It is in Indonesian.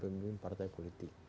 pemimpin pemimpin partai politik